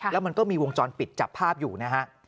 แล้วมันก็มีวงจรปิดจับภาพอยู่นะฮะ